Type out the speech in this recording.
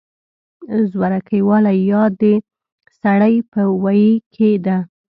زورکۍ واله يا د سړۍ په ویي کې ده